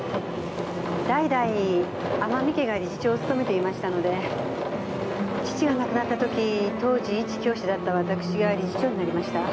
代々天海家が理事長を務めていましたので父が亡くなった時当時一教師だったわたくしが理事長になりました。